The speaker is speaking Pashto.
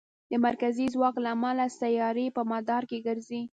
د مرکزي ځواک له امله سیارې په مدار کې ګرځي.